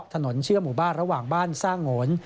เชื่อหมู่บ้านระหว่างบ้านสร้างโงน